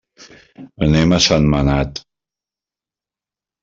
Anem a Sentmenat.